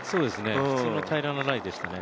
普通の平らなライでしたね。